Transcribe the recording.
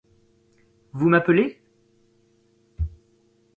Vous m’appelez ?